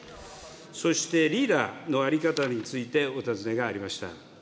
そして、リーダーの在り方についてお尋ねがありました。